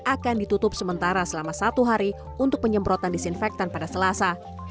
akan ditutup sementara selama satu hari untuk penyemprotan disinfektan pada selasa